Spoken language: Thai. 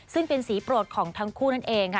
ซึ่งเป็นสีโปรดของทั้งคู่นั่นเองค่ะ